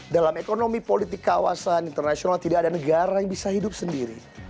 dalam ekonomi politik kawasan internasional tidak ada negara yang bisa hidup sendiri